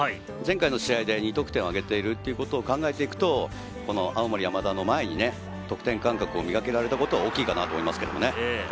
前回の試合で２得点を挙げているってことを考えて行くと青森山田の前に得点感覚を磨けられたことは大きいかなと思います。